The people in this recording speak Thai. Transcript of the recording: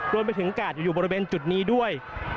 รวมไปถึงกาดอยู่บริเวณจุดนี้ด้วย